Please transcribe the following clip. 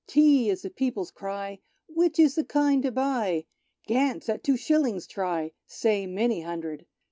Tea is the people's cry. Which is the kind to buy ? Gant's at Two Shillings try, Say many hundred